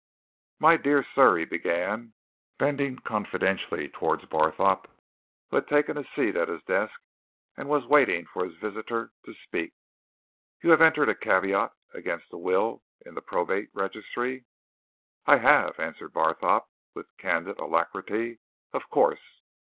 "My dear sir," he began, bending confidentially towards Barthorpe, who had taken a seat at his desk and was waiting for his visitor to speak, "you have entered a caveat against the will in the Probate Registry." "I have," answered Barthorpe, with candid alacrity. "Of course!"